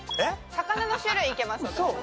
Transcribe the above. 魚の種類いけます私。